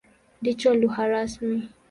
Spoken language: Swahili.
Ndicho lugha rasmi.